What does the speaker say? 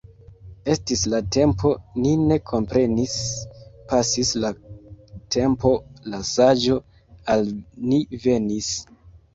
Estis la tempo, ni ne komprenis — pasis la tempo, la saĝo al ni venis.